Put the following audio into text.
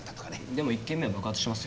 でも１件目は爆発してますよ。